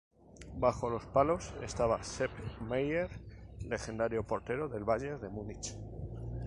Bajo los palos estaba Sepp Maier, legendario portero del Bayern de Múnich.